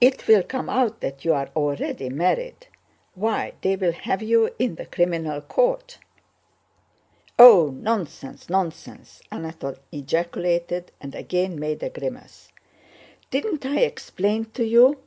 It will come out that you're already married. Why, they'll have you in the criminal court...." "Oh, nonsense, nonsense!" Anatole ejaculated and again made a grimace. "Didn't I explain to you?